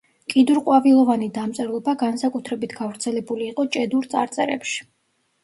კიდურყვავილოვანი დამწერლობა განსაკუთრებით გავრცელებული იყო ჭედურ წარწერებში.